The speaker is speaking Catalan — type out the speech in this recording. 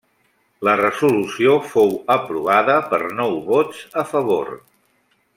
La resolució fou aprovada per nou vots a favor.